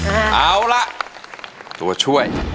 เอาล่ะตัวช่วย